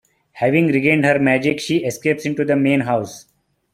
Having regained her magic, she escapes into the main house.